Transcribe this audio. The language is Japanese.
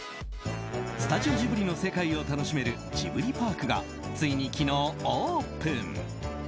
スタジオジブリの世界を楽しめるジブリパークがついに昨日オープン。